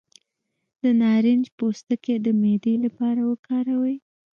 د نارنج پوستکی د معدې لپاره وکاروئ